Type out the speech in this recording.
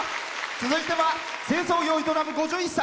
続いては清掃業を営む５１歳。